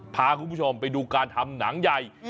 พาคุณผู้ชมไปดูการทำหนังใหญ่